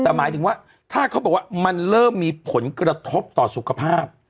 แต่หมายถึงว่าถ้าเขาบอกว่ามันเริ่มมีผลกระทบต่อสุขภาพ